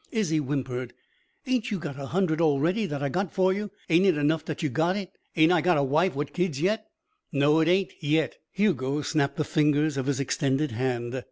Izzie whimpered. "Ain't you got a hundred all ready that I got for you? Ain't it enough that you got it? Ain't I got a wife wit' kids yet?" "No, it ain't, yet." Hugo snapped the fingers of his extended hand.